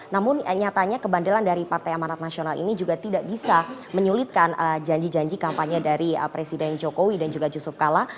namun nyatanya kebandelan dari partai amanat nasional ini juga tidak bisa menyulitkan janji janji kampanye dari presiden jokowi dan juga yusuf kala